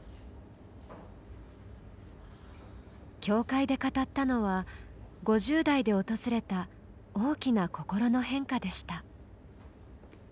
教会で語ったのは５０代で訪れた大きな心の変化でした。